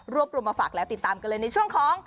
รวมมาฝากแล้วติดตามกันเลยในช่วงของ